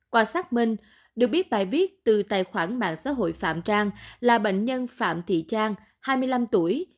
qua xác minh được biết bài viết từ tài khoản mạng xã hội phạm trang là bệnh nhân phạm thị trang hai mươi năm tuổi